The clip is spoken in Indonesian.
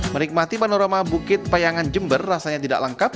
menikmati panorama bukit payangan jember rasanya tidak lengkap